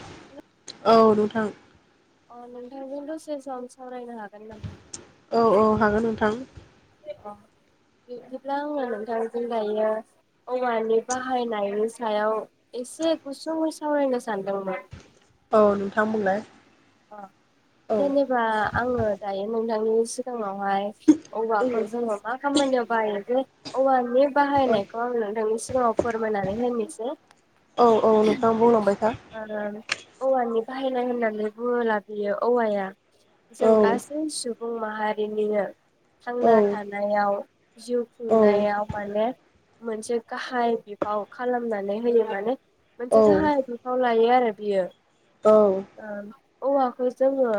[inaudible] औ नोंथां। अ नोंथांजों दसे सम सावरायनो हागोन नामा? औ औ हागोन नोंथां। बिदिब्ला आङो नोंथांजों दायो औवानि बाहायनायनि सायाव एसे गुसुङै सावरायनो सानदोंमोन औ नोंथां बुंलाय अ औ जेनेबा आङो दायो नोंथांनि सिगाङावहाय औवाखौ जोङो मा खामानियाव बाहायो औवानि औ बाहायनायखौ आं नोंथांनिसिम फोरमायनानै होनोसै औ औ नोंथाङा बुंलांबाय था ओ औवानि बाहायनाय होननानै बोलाबियो औवाया औ जों गासै सु बुं माहारिनिनो औ थांना थानायाव जिउ औ खुंनायाव माने मोनसे गाहाय बिफाव खालामनानै होयो माने मोनसे गाहाय बिफाव ला लायो आरो बियो ओं औवाखौ जोङो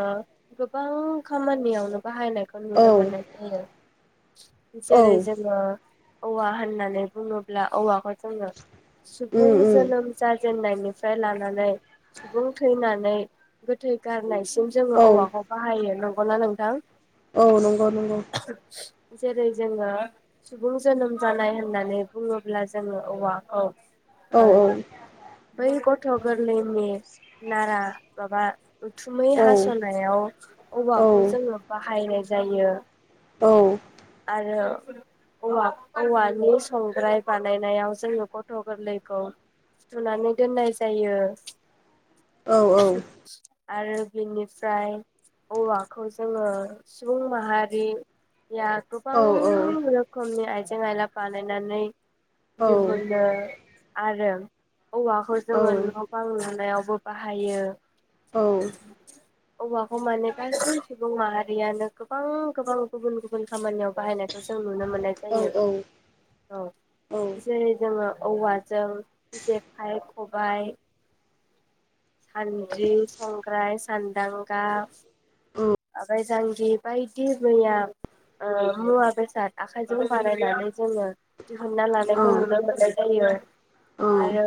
गोबां खामानियावनो बाहायनायखौ औ नुनो मोननाय जायो औ जेरै जोङो औवा होननानै बुङोब्ला औवाखौ जोङो उम सुबुं जोनोम जा जेननायनिफ्राय लानानै सुबुं थैनानै गोथै गारनायसिम औ जोङो औवाखौ बाहायो नंगौना नोंथां औ नंगौ नंगौ जेरै जोङो सुबुं जोनोम जानाय होननानै बुङोब्ला जोङो औवाखौ औ ओ औ बै गथ' गोरलैनि नारा माबा उथुमै औ हास'नायाव औ औवाखौ जोङो बाहायनाय जायो औ आरो औवानि संग्राय बानायनायाव जोङो गथ' गोरलैखौ थुनानै दोननाय जायो औ [inaudible] आरो बिनिफ्राय औवाखौ जोंङो सुबुं माहारि रिया गोबां रोखोमनि आयजें जें आयला बानायनानै दिहुनो आरो औवाखौ जोंङो न' बां लुनायाव बो बाहायो। औ औवाखौ माने गासै सुबुं माहारियानो गोबां गोबां गुबुन गुबुन खामानियाव बाहायनायखौ जों नुनो मोननाय जायो। औ जेरै जोंङो औवाजों जेखाइ खबाइ सान्द्रि संग्राय सान्दांगा ओमफाय जांगि बायदि मैया ओ मुवा बेसाद आखाइजों बानायनानै जोंङो दिहुनना लानायखौ नुनो औ मोननाय जायो। आरो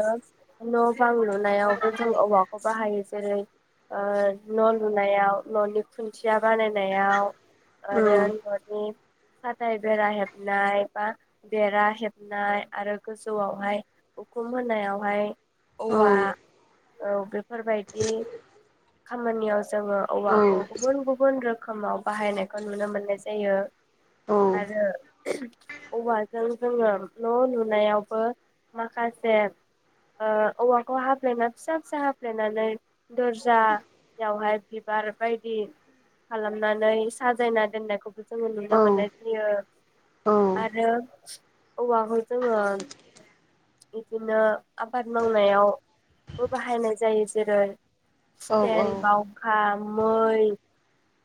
न' बां लुनायावबो जों औवाखौ बाहायो जेरै ओ न' लुनायाव न'नि खुन्थिया बानायनायाव आरो न'नि फाथै बेरा हेबनाय बा बेरा हेबनाय आरो गोजौआवहाय उखुम होनायावहाय औवा औ बेफोरबायदि खामानियाव जोंङो औवाखौ गुबुन गुबुन रो खोमाव बाहायनायखौ नुनो मोननाय जायो। आरो औवाजों जोंङो न' लुनायावबो माखासे ओ औवाखौ हाफ्लेना फिसा फिसा हाफ्लेनानै दरजायावहाय बिबार बायदि खालामनानै साजायना दोननायखौबो जोंङो नुनो मोननाय जायो आरो औवाखौ जोंङो इदिनो आबाद मावनायावबो बाहायनाय जायो जेरै फेन बावखा मै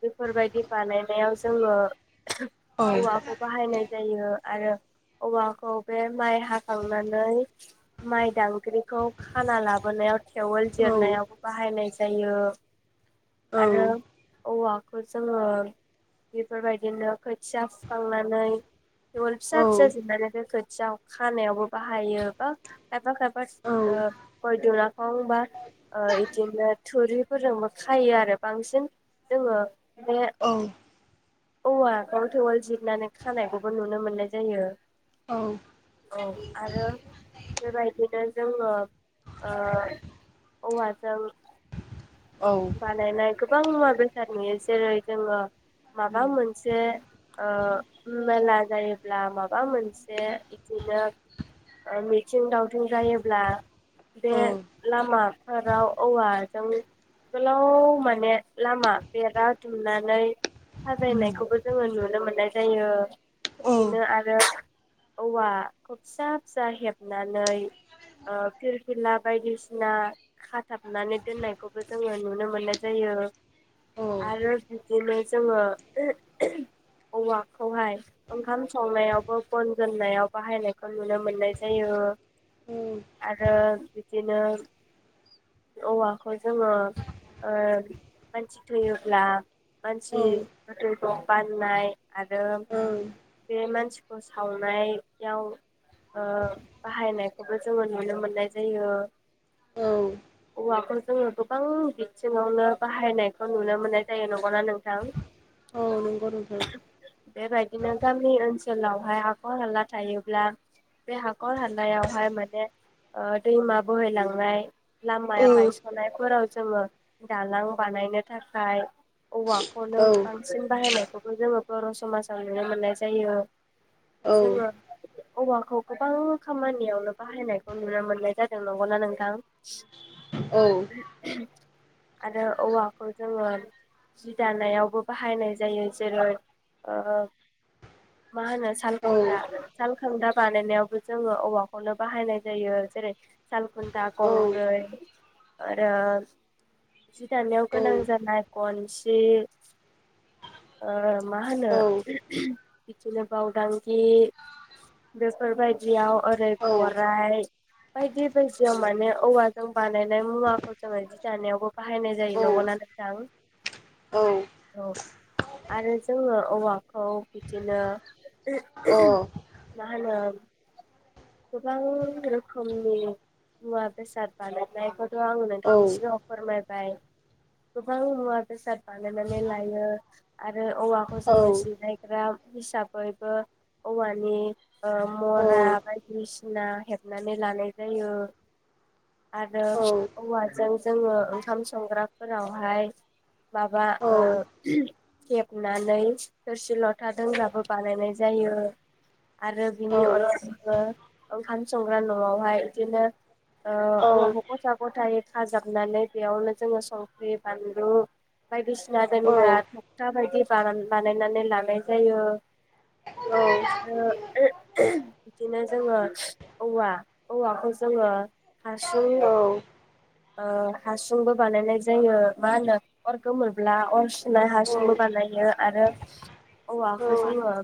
बेफोरबायदि बानायनायाव जोंङो औ औवाखौ बाहायनाय जायो। आरो औवाखौ बे माइ हा खांनानै माइ दांग्रिखौ खाना लाबोनायाव खेवोल औ जिरनायाव बाहायनाय ज जायो औ औवाखो जोङो बेफोरबायदिनो खोथिया फुखांनानै थेवोल फिसा फिसा जोबनानै दोनफै जाव खानायाव बो बाहायोबा खायफा औ खाफ [inaudible] फंफां बा ओ इदिनो थुरिफोरजोंबो खायो आरो बांसिन जोङो औ औवा गन थेवाल जिरनानै खानायखौबो नुनो मोननाय जायो औ औ आरो बेबायदिनो जोङो ओ औवाजों बानायनाय गोब बां मुवा बेसाद नुयो जेरै जोङो माबा मोनसे ओ मेला जायोब्ला माबा मोनसे बिदिनो ओ मिथिं दावथिं जायोब्ला बे लामाफोराव औवाजों गोलाव माने लामा बेरा दुमनानै साजायनायखौबो जोङो नुनो मोननाय जायो बिननो औ आरो औवा फिसा फिसा हेबनानै ओ फिरफिला बायदिसिना खाथाबनानै दोननायखौ खो जोङो नुनो मोननाय जायो आरो बिबदिनो ज जोङो औवाखौहाय ओंखाम संनायावबो बन दोननायाव बाहायनायखौ नुनो मोननाय जायो आरो बिनो औवाखौ जोङो ओ मानसि थैयोब्ला औ मानसि गोथै [unintelligible] बाननाय आरो बे मानसिखौ सावनायाव ओ बाहायनायखौबो जोङो नुनो मोननाय जायो औ [unintelligible] गोबां बिथिङावनो बाहायनायखौ नुनो मोननाय जायो नंगौना नोंथां? औ नंगौ नोंथां। बेबायदिनो गामि ओनसोलावहाय हाखर हाला थायोब्ला बे हाखर हालायावहाय माने ओ दैमा बोहैलांनाय औ लामाया बायस' नाय फोराव जोङो दालां बानायनो थाखाय औवाखौनो औ बांसिन बाहायनायखौबो जोङो बर' समाजाव नुनो मोननाय जायो। औ जोङो औवाखौ गोबां खामानियावनो बाहायनायखौ नुनो मोननाय जादों नंगौना नोंथां? औ आरो औवाखौ जोङो जि दानायावबो बाहायनाय जायो जेरै- ओ मा होनो औ सालखुन्था सालखुन्था बानायनायावबो जोङो औवाखौनो बाहायनाय जायो जेरै- सालखुन्था अ औ गंब्रै आरो जि दानायाव गोनां जानाय गनसि ओ माहोनो बिदिनो बावदांगि बेफोरबायदियाव ओरै गराय बायदि बायदियाव माने औवाजों बानाय नाय मुवाखौ जोङो जि जानायावबो बाहायनाय जायो नंगौना नोंथां? औ औ आरो जोंङो औवाखौ बिदिनो [unintelligible] मा होनो गोबां रोखोमनि मुवा बेसाद बानाय नायफोर आङो नोंथांनि सिगाङाव फोरमाय बाय गोबां मुवा बेसाद बानायनानै लायो। आ रो औवाखौ जोंङो जिरायग्रा हिसाबैबो औवानि ओ मुरा बायदिसिना हेबनानै लानाय जायो आरो औ औवा जों जोङो ओंखाम संग्राफोरावहाय माबा ओ [unintelligible] हेबनानै थोरसि लथा दोंग्राबो बानायनाय जायो। आरो बिनि अनगाबो ओंखाम संग्रा न'आवहाय इदिनो ओ औवाखौ गथा गथायै खाजाबनानै बेयावनो जोङो संख्रि बानलु बायदिसि ना दोनग्रा थगथा बायदि बा-बानायनानै लानाय जायो आरो बिदिनो जोंङो औवा-औवाखौ जोंङो हासुं नि ओ हासुंबो बानायनाय जायो मा होनो अर गोमोरब्ला अर सुनाय हासुंबो बानायो आरो औवाखौ जोंङो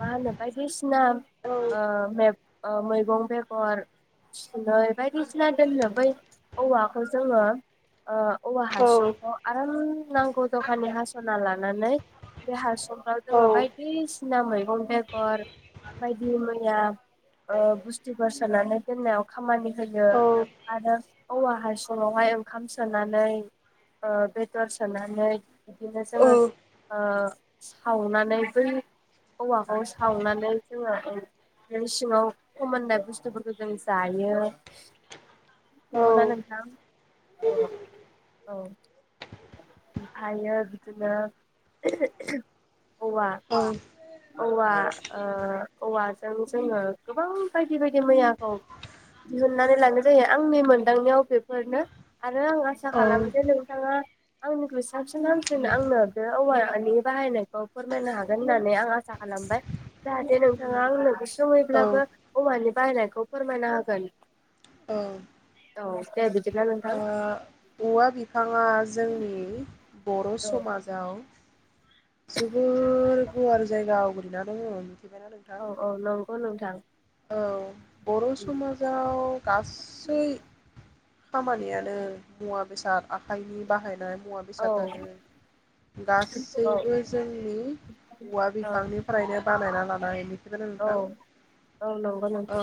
मा होनो बायदिसि ना‌ ओ मैगं बेगर सुनै नै बायदिसिना दोनो बै औवाखौ जोंङो ओ औवा हासुंखौ आराम नांगौ जखाननि हास'नालाना नै बे हासुं जोंङो बायदिसिना मै गं बेगर बायदि मैया बुस्थुफोर सोनानै दोननायाव खामानि होयो औ आरो औवा हासुंआवहाय ओंखाम सोनानै ओ बेदर सोनानै बिदिनो औ जोंङो ओ सावनानै बै औवाखौ सावनानै जोंङो सिङाव फोमोननाय बुस्थुफोरखौ जों जायो। औ नंगौ ना नोंथां औ औ ओमफायो बिदिनो औ औवा-औवाजों जोंङो गोबां बायदि बायदि मैयाखौ दिहुननानै लानाय जायो आंनि मोनदांनायाव बेफोरनो आरो आं आसा औ खालामो जे नोंथाङा आंनिखुइ साबसिन हामसिन आंनो बे औवानि बाहायनायखौ फोरमायनो हागोन होननानै आं आसा खालामबाय जाहाथे नोंथाङा आंनो औ खमैब्लाबो औवानि बानायनायखौ फोरमायना होगोन औ दे बि ओ औवा बिफांङा जोंनि बर' औ समाजाव जोबोर गुवार जायगा आवग्रिनानै दंङ औ औ नंगौ नोंथां औ बर' समाजाव गासै खामानियानो मुवा बेसाद आखाइनि बाहायनाय मुवा औ बेसादानो औ गासैबो जोंनि औवा औ बिफांनिफ्रायनो बानायना [unintelligible] औ -औ औ नोंथां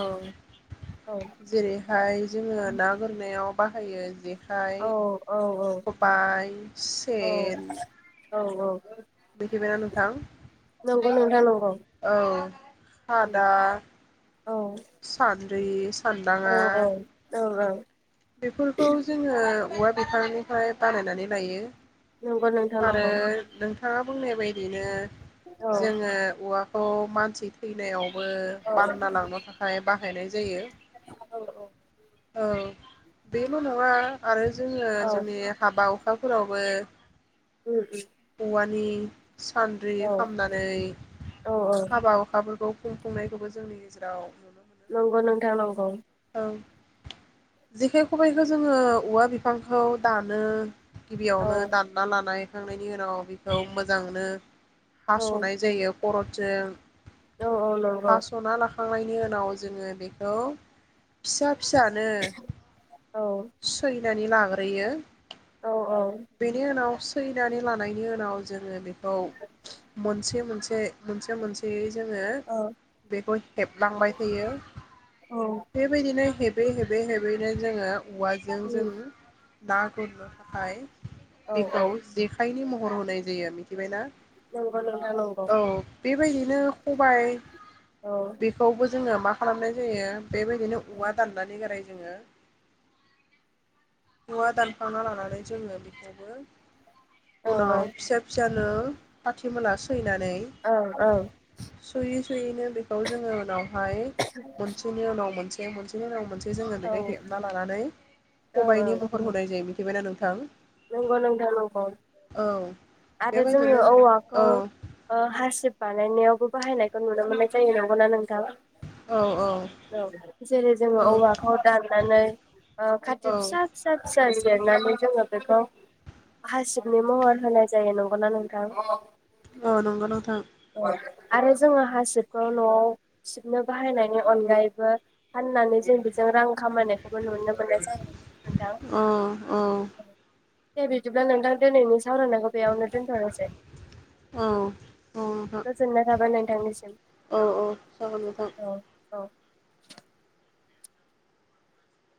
औ जेरैहाय जोङो ना गुरनायाव बाहायो जि औ - औ [unintelligible] औ सेेन औ औ मिथिबायना नंगौ नंगौ नोंथां औ औ [unintelligible] सान [unintelligible] [unintelligible] दाङा औ [inaudible] बेफोरखौ जोङो औवा बिफांनिफ्राय बानायनानै लायो। नंगौ नोंथां नंगौ आरो थांआ बुंनाय बायदिनो औ जोङो औवा अ मानसि थैनायाव बो औ बानना लांनो थाखाय बाहायनाय ज बेल' नङा आरो औ जनि हाबा हखा स्कुलावबो अम-अम। औवानि सान्द्रि औ खालामनानै औ औ हाबा हुखाफोरखौ खुंफुंनायखौबो जोंनि गेजेराव नु नंगौ नोंथां नगौ। जेखाय, खबाइखौ जोङो औवा बिफांखौ दानो औ गिबियावनो दानना लानाय खांनायनि उनाव बेखौ मोजांनो औ हास'नाय जायो खर'जों औ नंगौ बा सना ला हुखांनायनि उनाव जोङो बेखौ फिसा फिसानो औ सै नानै लाग्रोयो औ औ बेनि उनाव सैनानै लानायनि उनाव जोङो बेखौ मोनसे मोनसे मोनसे मोनसेयै जोङो बेखौ हेबलांबाय थायो। बिदिनो हेबै हेबै हेबैनो जोङो। औवाजों जों ना गुरनो थाखाय औ औ बेखौ नंगौ नोंथां जेखायनि म हर होननाय जायो मिथिबायना? औ नंगौ बेबायदिनो खबाय औ बेखौबो जोङो मा खालामनाय जायो। बेबा दिनो औवा दाननानै [unintelligible] जोङो [inaudible] औवा दानखांना लानानै जोङो बेखौबो औ औ उनाव फिसा फिसा ओ खाथि मोलासि सैनानै औ औ सयै सयै जों बेखौ उनावहाय उनाव मोनसे मोनसेनि उनाव मोनसे जोङो औ बेखौ हेबना लानानै औ खबाइनि महर होनाय जायो बि थिबायना नोंथां? नंगौ नंथां नंगौ औ आरो जोङो बेबायदिनो औवाखौ औ ओ हारसिब बानायनायावबो बाहायनायखौ नुनो मोननाय जायो नंगौना नोंथा? औ औ जेरै जोङो औ औवाखौ दाननानै ओ खाथि औ फिसा फिसा [unintelligible] जोंङो बेखौ हासिबनि महर होनाय जायो नंगौना नोंथां? [unintelligible] औ नंगौ नोंथां। औ आरो जोङो हासिबखौ न'आव सिबनो बाहायनायनि अनगायैबो फाननानै जों बेजों रां खामायनायखौबो नुनो मोननाय जायो। नोंथां औ औ दे बिदिब्ला नोंथां दोनैनि सावरायनायखौ बेयावनो दोनथनोसै औ नोंथां गोजोननाय थाबाय नों [unintelligible] औ औ जागोन नोंथां। औ